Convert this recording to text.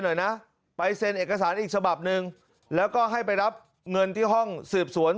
หน่อยนะไปเซ็นเอกสารอีกฉบับหนึ่งแล้วก็ให้ไปรับเงินที่ห้องสืบสวน